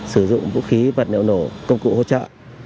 sử dụng vũ khí vật liệu nổ công cụ hỗ trợ